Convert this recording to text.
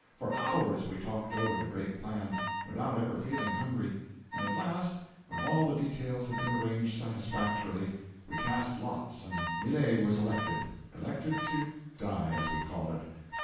For hours we talked over the great plan, without ever feeling hungry; and at last, when all the details had been arranged satisfactorily, we cast lots and Millet was elected elected to die, as we called it.